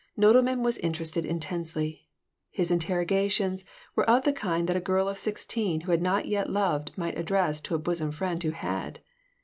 Nodelman was interested intensely. His interrogations were of the kind that a girl of sixteen who had not yet loved might address to a bosom friend who had.